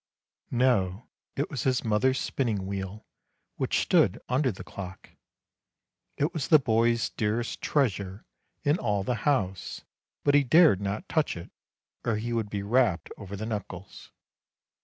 No, it was his mother's spinning wheel which stood under the clock. It was the boy's dearest treasure in all the house, but he dared not touch it or he would be rapped over the knuckles.